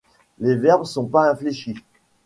Les verbes sont pas infléchis.